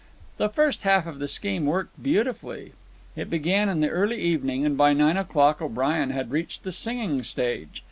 The first half of the scheme worked beautifully. It began in the early evening, and by nine o'clock O'Brien had reached the singing stage.